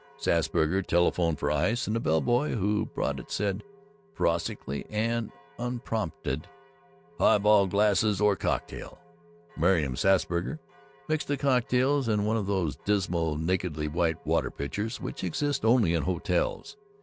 Sassburger telephoned for ice, and the bell boy who brought it said, prosaically and unprompted, "Highball glasses or cocktail?" Miriam Sassburger mixed the cocktails in one of those dismal, nakedly white water pitchers which exist only in hotels.